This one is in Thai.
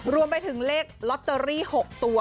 รวมไปถึงเลขลอตเตอรี่๖ตัว